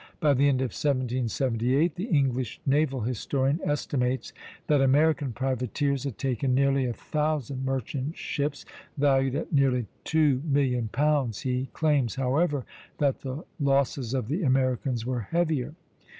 By the end of 1778 the English naval historian estimates that American privateers had taken nearly a thousand merchant ships, valued at nearly £2,000,000; he claims, however, that the losses of the Americans were heavier.